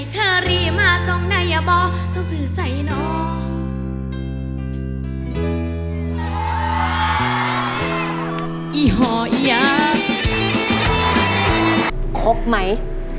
ครบไหม